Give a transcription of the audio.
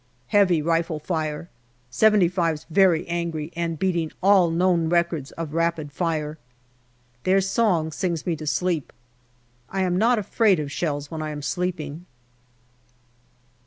Heavy rifle fire. " 75 's " very angry, and beating all known records of rapid fire. Their song sings me to sleep. I am not afraid of shells when I am sleeping.